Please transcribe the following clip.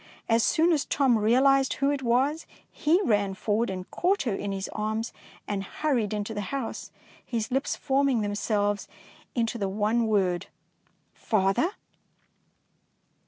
As soon as Tom realised who it was, he ran forward and caught her in his arms, and hurried into the house, his lips forming themselves into the one word, " Father?"